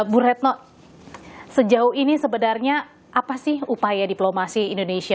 bu retno sejauh ini sebenarnya apa sih upaya diplomasi indonesia